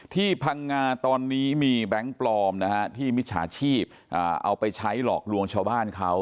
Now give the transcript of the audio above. พังงาตอนนี้มีแบงค์ปลอมนะฮะที่มิจฉาชีพเอาไปใช้หลอกลวงชาวบ้านเขา